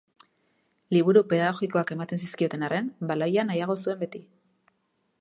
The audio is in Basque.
Liburu pedagogikoak ematen zizkioten arren, baloia nahiago zuen beti.